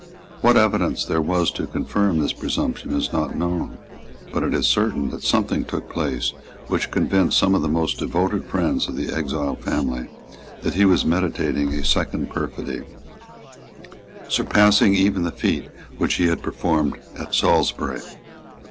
What evidence there was to confirm this presumption is not known; but it is certain that something took place which convinced some of the most devoted friends of the exiled family that he was meditating a second perfidy, surpassing even the feat which he had performed at Salisbury.